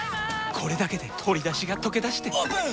これだけで鶏だしがとけだしてオープン！